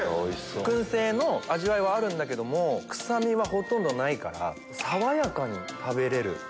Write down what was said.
燻製の味わいはあるんだけども臭みはほとんどないから爽やかに食べれる。